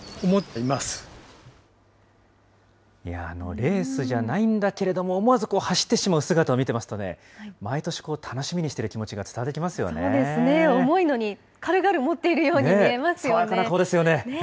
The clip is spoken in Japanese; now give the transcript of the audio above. レースじゃないんだけども、思わず走ってしまう姿を見てますとね、毎年、楽しみにしている気そうですよね、重いのに軽々持っているように見えますよね。